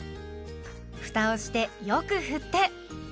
ふたをしてよく振って。